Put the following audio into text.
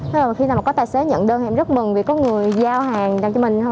thế là khi nào có tài xế nhận đơn em rất mừng vì có người giao hàng cho mình